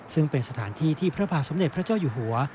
ซึ่งเป็นสถานที่ที่พระบาทสมเด็จพระเจ้าอยู่หัว